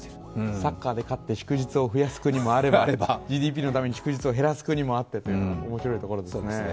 サッカーで勝って祝日を増やす国もあればＧＤＰのために祝日を減らす国もあってということで面白いですね。